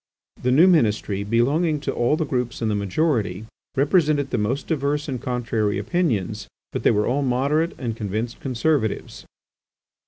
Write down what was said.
The new ministry, belonging to all the groups in the majority, represented the most diverse and contrary opinions, but they were all moderate and convinced conservatives.